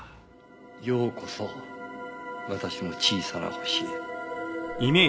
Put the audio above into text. ようこそ私の小さな星へ。